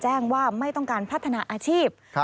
แจ้งว่าไม่ต้องการพัฒนาอาชีพ